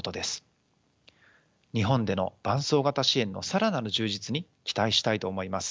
日本での伴走型支援の更なる充実に期待したいと思います。